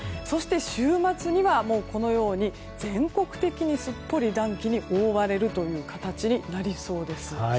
そして週末にはこのように全国的にすっぽり暖気に覆われるという形になりそうです。